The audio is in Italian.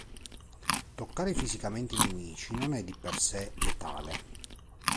Toccare fisicamente i nemici non è di per sé letale.